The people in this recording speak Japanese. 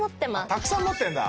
たくさん持ってるんだ。